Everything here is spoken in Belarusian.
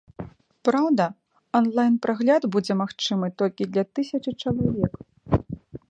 Праўда, ан-лайн прагляд будзе магчымы толькі для тысячы чалавек.